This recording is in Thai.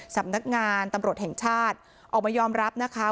สำนักงานตำรวจแห่งชาติออกมายอมรับนะคะ